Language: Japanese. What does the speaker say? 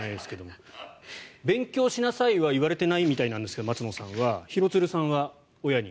松野さんは、勉強しなさいは言われてないみたいなんですが廣津留さんは親に？